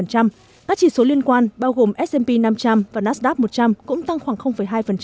các chỉ số liên quan bao gồm s p năm trăm linh và nasdap một trăm linh cũng tăng khoảng hai